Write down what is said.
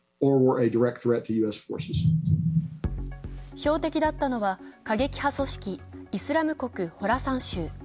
標的だったのは、過激派組織イスラム国ホラサン州。